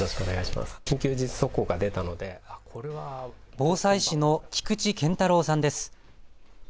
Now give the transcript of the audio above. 防災士の菊池顕太郎さんです。